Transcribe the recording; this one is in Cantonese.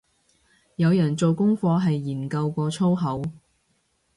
有人做功課係研究過粗口